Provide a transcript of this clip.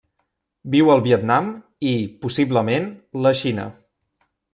Viu al Vietnam i, possiblement, la Xina.